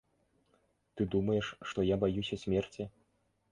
Ты думаеш, што я баюся смерці?